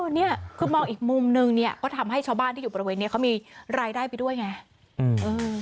เนี่ยคือมองอีกมุมนึงเนี่ยก็ทำให้ชาวบ้านที่อยู่บริเวณนี้เขามีรายได้ไปด้วยไง